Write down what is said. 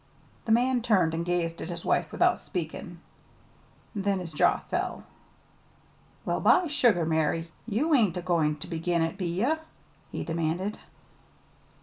The man turned and gazed at his wife without speaking. Then his jaw fell. "Well, by sugar, Mary! You ain't a goin' ter begin it, be ye?" he demanded.